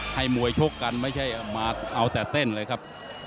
มวยชกกันไม่ใช่มาเอาแต่เต้นเลยครับ